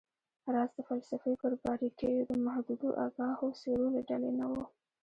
راز د فلسفې پر باریکیو د محدودو آګاهو څیرو له ډلې نه و